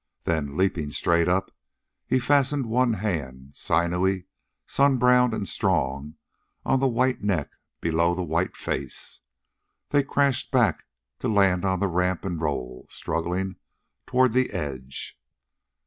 Then, leaping straight up, he fastened one hand, sinewy, sun browned and strong, on the white neck below the white face. They crashed back, to land on the ramp and roll, struggling, toward the edge.